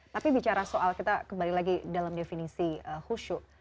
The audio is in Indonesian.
tapi bicara soal kita kembali lagi dalam definisi khusyuk